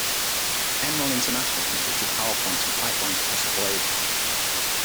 Enron International constructed power plants and pipelines across the globe.